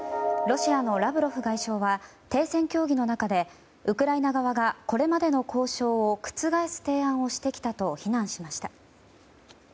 ロシアのラブロフ外相は停戦協議の中でウクライナ側がこれまでの交渉を覆す提案をしてきたと非難しました。